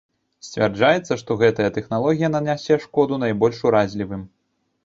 Сцвярджаецца, што гэтая тэхналогія нанясе шкоду найбольш уразлівым.